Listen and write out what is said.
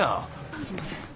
すんません。